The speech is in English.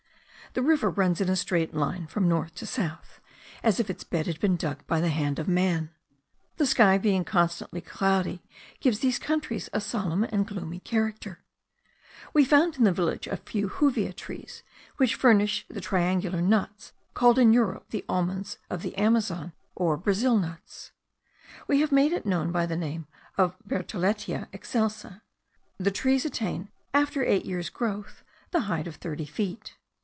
The river runs in a straight line from north to south, as if its bed had been dug by the hand of man. The sky being constantly cloudy gives these countries a solemn and gloomy character. We found in the village a few juvia trees which furnish the triangular nuts called in Europe the almonds of the Amazon, or Brazil nuts. We have made it known by the name of Bertholletia excelsa. The trees attain after eight years' growth the height of thirty feet.